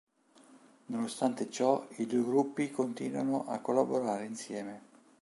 Nonostante ciò, i due gruppi continuano a collaborare insieme.